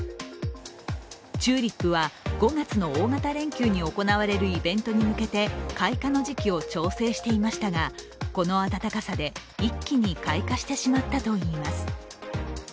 チューリップは５月の大型連休に行われるイベントに向けて開花の時期を調整していましたが、この暖かさで一気に開花してしまったといいます。